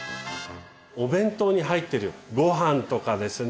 お弁当に入ってるごはんとかですね